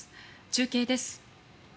中継です。